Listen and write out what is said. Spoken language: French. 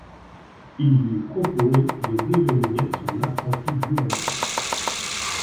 Il lui propose de devenir son apprenti-boulanger.